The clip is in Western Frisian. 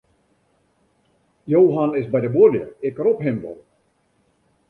Johan is by de buorlju, ik rop him wol.